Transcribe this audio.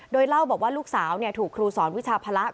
โดยเล่าบอกว่าลูกสาวเนี่ยถูกครูสอนวิชาพระละลวง